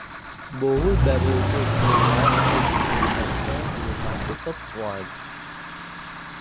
বহুল ব্যবহৃত একটি ওয়ার্ড প্রসেসর সফটওয়্যার হল মাইক্রোসফট ওয়ার্ড।